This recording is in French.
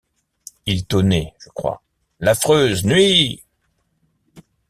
Il tonnait, je crois. — L’affreuse nuit!